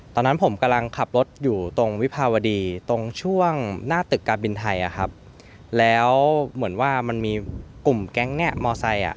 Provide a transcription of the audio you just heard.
ตอนนั้นผมกำลังขับรถอยู่ตรงวิภาวดีตรงช่วงหน้าตึกการบินไทยอ่ะครับแล้วเหมือนว่ามันมีกลุ่มแก๊งเนี่ยมอไซค์อ่ะ